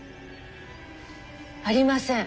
ありません。